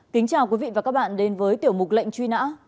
kính chào quý vị và các bạn đến với tiểu mục lệnh truy nã